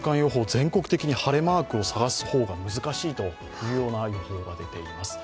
全国的に晴れマークを探すのが難しいというような予報が出ています。